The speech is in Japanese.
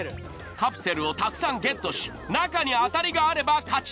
カプセルをたくさんゲットし中にアタリがあれば勝ち。